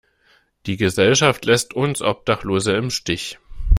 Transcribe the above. Die Gesellschaft lässt uns Obdachlose im Stich.